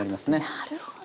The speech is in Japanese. なるほど。